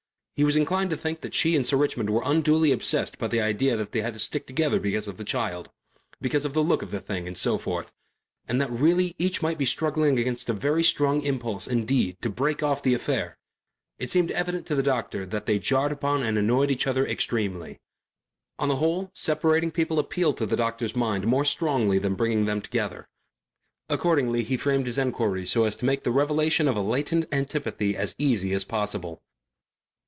He was inclined to think that she and Sir Richmond were unduly obsessed by the idea that they had to stick together because of the child, because of the look of the thing and so forth, and that really each might be struggling against a very strong impulse indeed to break off the affair. It seemed evident to the doctor that they jarred upon and annoyed each other extremely. On the whole separating people appealed to a doctor's mind more strongly than bringing them together. Accordingly he framed his enquiries so as to make the revelation of a latent antipathy as easy as possible.